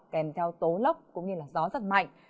kèm theo tố lốc cũng như gió giật mạnh